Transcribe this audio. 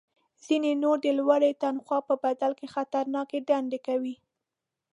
ځینې نور د لوړې تنخوا په بدل کې خطرناکې دندې کوي